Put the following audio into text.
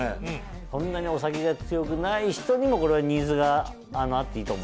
そんなにお酒が強くない人にもこれはニーズがあっていいと思うよ。